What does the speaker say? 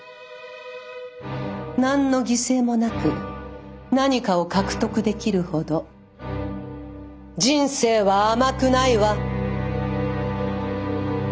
何の犠牲もなく何かを獲得できるほど人生は甘くないわ！